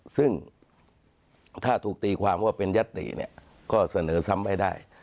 ซึ่งถ้าถูกตีความว่าเป็นยัตติเนี่ยก็เสนอซ้ำไม่ได้